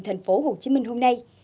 thành phố hồ chí minh hôm nay